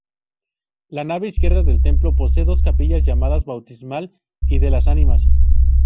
La nave izquierda del templo posee dos capillas, llamadas Bautismal y de las Ánimas.